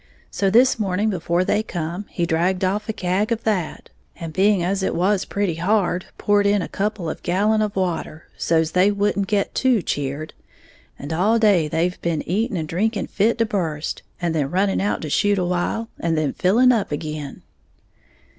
So this morning, before they come, he drawed off a kag of that, and being as it was pretty hard, poured in a couple of gallon of water, so's they wouldn't get too cheered; and all day they been eating and drinking fit to burst, and then running out to shoot a while, and then filling up ag'in."